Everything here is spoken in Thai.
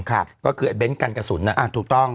ก็คือเบนท์กันกระสุนถูกต้อง